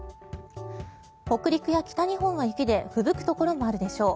北陸や北日本は雪でふぶくところもあるでしょう。